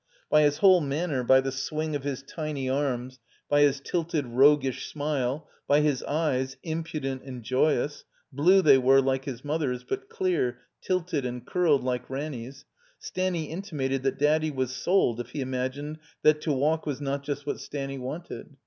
By his whole manner, by the swing of his tiny arms, by his tilted, roguish smile, by his eyes, impudent and joyous (blue they were, like his mother's, but clear, tilted, and curled like Ranny's), Stanny in timated that Daddy was sold if he imagined that to walk was not just what Stanny wanted.